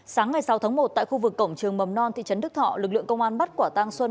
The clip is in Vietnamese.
sáng ngày sáu tháng một tại khu vực cổng trường mầm non thị trấn đức thọ lực lượng công an bắt quả tăng xuân